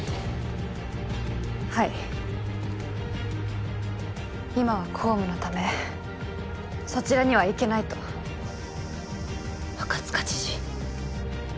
はい今は公務のためそちらには行けないと赤塚知事